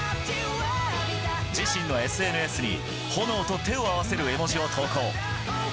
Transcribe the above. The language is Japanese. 自身のＳＮＳに炎と手を合わせる絵文字を投稿。